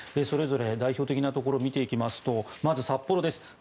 それぞれ代表的なところを見ていきますとまず札幌です。